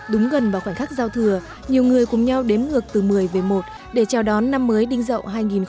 đúng gần vào khoảnh khắc giao thừa nhiều người cùng nhau đếm ngược từ một mươi về một để chào đón năm mới đinh dậu hai nghìn hai mươi